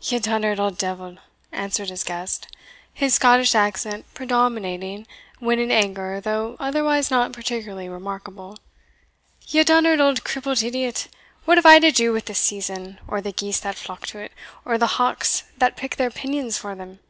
"Ye donnard auld deevil," answered his guest, his Scottish accent predominating when in anger though otherwise not particularly remarkable, "ye donnard auld crippled idiot, what have I to do with the session, or the geese that flock to it, or the hawks that pick their pinions for them?"